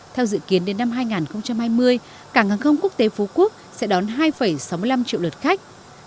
theo dự kiến đến năm hai nghìn hai mươi cảng hàng không quốc tế phú quốc sẽ đón hai sáu mươi năm triệu lượt khách